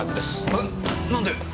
えっなんで。